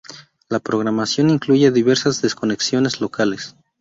La programación incluye diversas desconexiones locales.